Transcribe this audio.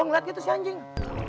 abang liat gitu si anjing